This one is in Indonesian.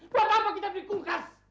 buat apa kita dikungkas